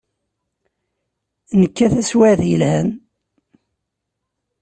Nekka taswiɛt yelhan.